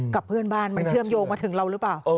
กับเพื่อนบ้านมันเชื่อมโยงมาถึงเราหรือเปล่า